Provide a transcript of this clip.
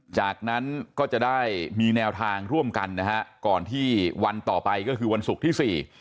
จากนั้นก็จะได้มีแนวทางร่วมกันนะฮะก่อนที่วันต่อไปก็คือวันศุกร์ที่สี่